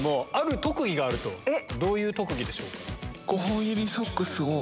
どういう特技でしょうか？